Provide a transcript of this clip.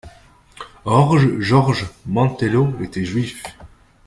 Or George Mantello était juif.